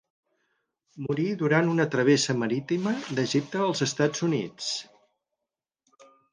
Morí durant una travessa marítima d'Egipte als Estats Units.